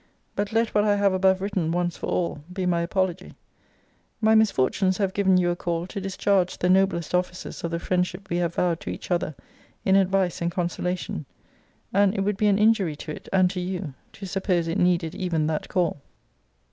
But let what I have above written, once for all, be my apology. My misfortunes have given you a call to discharge the noblest offices of the friendship we have vowed to each other, in advice and consolation; and it would be an injury to it, and to you, to suppose it needed even that call.